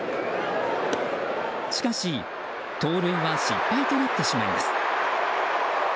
しかし盗塁は失敗となってしまいます。